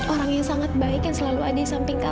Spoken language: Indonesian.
orang yang sangat baik yang selalu ada di samping